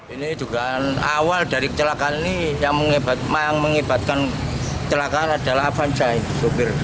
ini juga awal dari kecelakaan ini yang mengibatkan kecelakaan adalah van jahit sopir